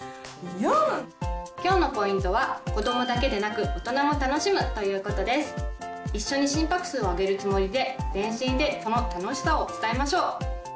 今日のポイントはいっしょに心拍数を上げるつもりで全身でその楽しさを伝えましょう。